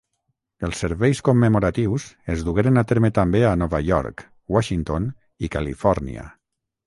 Els serveis commemoratius es dugueren a terme també a Nova York, Washington i Califòrnia.